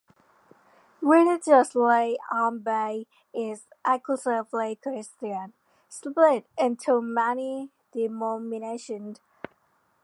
Religiously Ambae is exclusively Christian, split into many denominations.